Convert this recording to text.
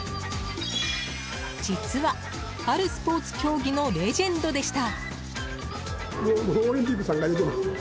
実は、あるスポーツ競技のレジェンドでした。